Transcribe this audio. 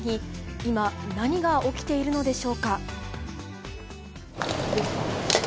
今、何が起きているのでしょうか。